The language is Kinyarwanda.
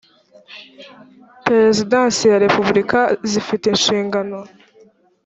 perezidansi ya repubulika zifite inshingano